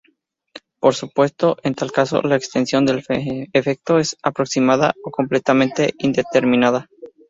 Por supuesto, en tal caso, la extensión del efecto es aproximada o completamente indeterminada.